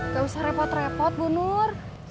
gak usah repot repot bu nur